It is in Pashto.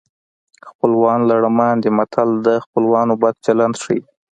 خپلوان لړمان دي متل د خپلوانو بد چلند ښيي